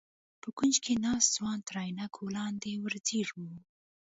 په کونج کې ناست ځوان تر عينکو لاندې ور ځير و.